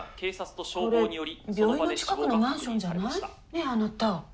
ねえあなた。